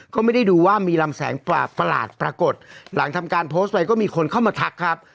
ก็ไม่ได้ดูว่ามีลำแสงประหลาดปรากฏหลังทำการโพสต์ไปก็มีคนเข้ามาทักครับ